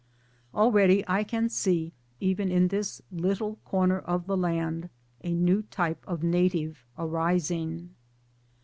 Already I can see, even in this little corner of the land, a new; type of native arising.